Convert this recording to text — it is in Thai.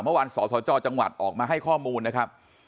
เมื่อวานสสจจังหวัดออกมาให้ข้อมูลนะครับ